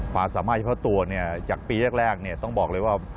ความสามารถเฉพาะตัวจากปีแรกต้องบอกเลยว่า